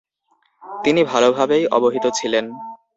তিনি ভালোভাবেই অবহিত ছিলেন।